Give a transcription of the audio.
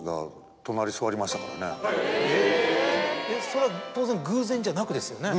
それは当然偶然じゃなくですよね？